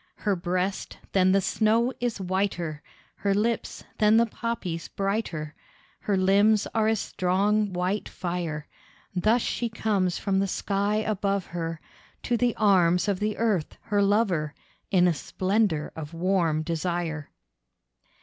Her breast, than the snow is whiter, Her lips, than the poppies brighter, Her limbs are as strong white fire. Thus she comes from the sky above her To the arms of the Earth her lover, In a splendour of warm desire.